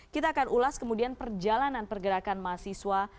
kita akan ulas kemudian perjalanan pergerakan mahasiswa